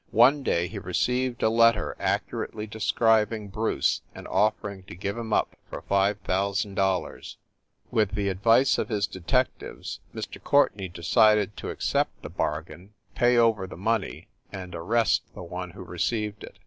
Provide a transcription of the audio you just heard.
One day he received a letter accurately de scribing Bruce and offering to give him up for five thousand dollars. With the advice of his detectives Mr. Courtenay decided to accept the bargain, pay over the money and arrest the one who received it.